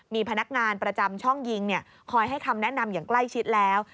มีพนักงานประจำช่องยิงคอยให้คำแนะนำอย่างใกล้ชิดแล้ว